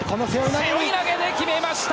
背負い投げで決めました！